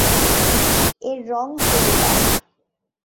এর রং হলুদাভ।